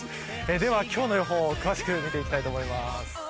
では今日の予報を詳しく見ていきたいと思います。